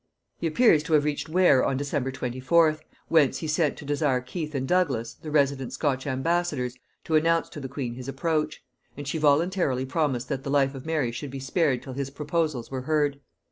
He appears to have reached Ware on December 24th, whence he sent to desire Keith and Douglas, the resident Scotch ambassadors, to announce to the queen his approach; and she voluntarily promised that the life of Mary should be spared till his proposals were heard.